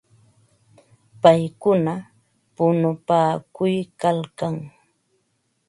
Paykuna punupaakuykalkan.